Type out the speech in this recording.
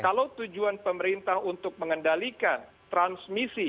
kalau tujuan pemerintah untuk mengendalikan transmisi